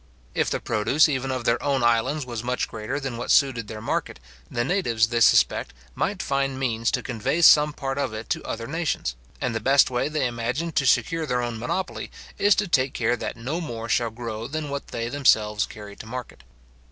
If the produce even of their own islands was much greater than what suited their market, the natives, they suspect, might find means to convey some part of it to other nations; and the best way, they imagine, to secure their own monopoly, is to take care that no more shall grow than what they themselves carry to market.